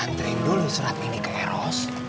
antri dulu serat ini ke eros